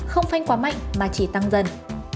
không phanh quá mạnh mà chỉ tăng dần